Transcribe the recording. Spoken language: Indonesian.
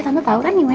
tante tau kan gimana